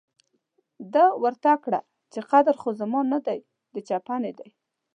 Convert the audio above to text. ده ورته کړه چې قدر خو زما نه دی، د چپنې دی.